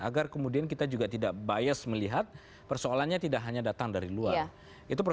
agar kemudian kita juga tidak bias melihat persoalannya tidak hanya datang dari luar